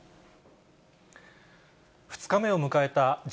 ２日目を迎えたＧ７・